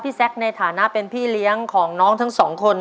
แซคในฐานะเป็นพี่เลี้ยงของน้องทั้งสองคน